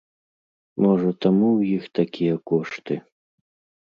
Можа, таму ў іх такія кошты.